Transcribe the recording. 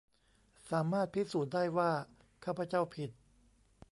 สามารถพิสูจน์ได้ว่า ข้าพเจ้าผิด